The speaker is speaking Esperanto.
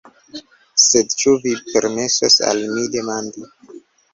Sed ĉu vi permesos al mi demandi.